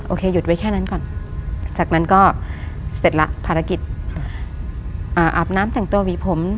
หยุดไว้แค่นั้นก่อนจากนั้นก็เสร็จละภารกิจอ่าอาบน้ำแต่งตัวหวีผม